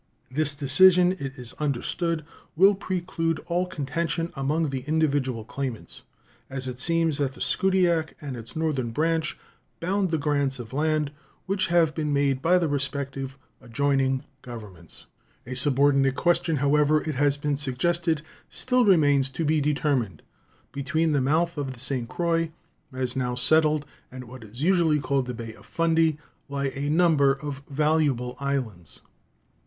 This decision, it is understood, will preclude all contention among the individual claimants, as it seems that the Scoodiac and its northern branch bound the grants of land which have been made by the respective adjoining Governments. A subordinate question, however, it has been suggested, still remains to be determined. Between the mouth of the St. Croix as now settled and what is usually called the Bay of Fundy lie a number of valuable islands.